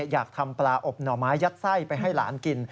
อยากทำปลาอบหน่อไม้ยัดไส้ไปให้หลานกิน